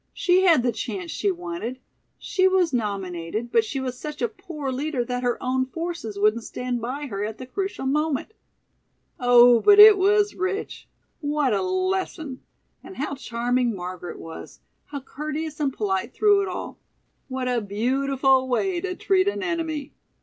"She had the chance she wanted. She was nominated, but she was such a poor leader that her own forces wouldn't stand by her at the crucial moment. Oh, but it was rich! What a lesson! And how charming Margaret was! How courteous and polite through it all. What a beautiful way to treat an enemy!"